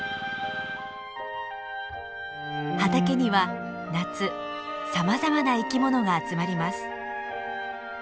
畑には夏さまざまな生きものが集まります。